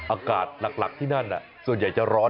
อากาศหลักที่นั่นส่วนใหญ่จะร้อน